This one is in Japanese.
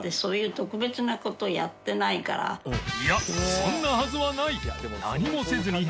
そんなはずはない！